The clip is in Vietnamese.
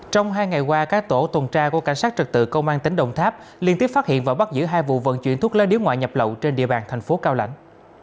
trong hai ngày qua các tổ tuần tra của cảnh sát trực tự công an tỉnh đồng tháp liên tiếp phát hiện và bắt giữ hai vụ vận chuyển thuốc lá điếu ngoại nhập lậu trên địa bàn thành phố cao lãnh